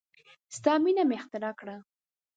ستا مینه مې اختراع کړه